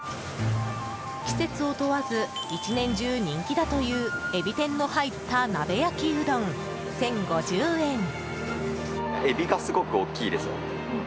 季節を問わず一年中人気だというエビ天の入ったなべ焼きうどん、１０５０円。